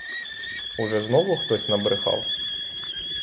Уже знову хтось набрехав?